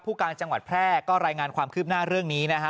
การจังหวัดแพร่ก็รายงานความคืบหน้าเรื่องนี้นะฮะ